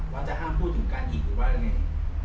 ว่าจะห้ามพูดถึงการหิตหรือว่าอะไร